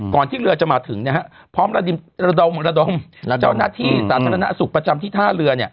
ที่เรือจะมาถึงพร้อมระดมเจ้าหน้าที่สาธารณสุขประจำที่ท่าเรือ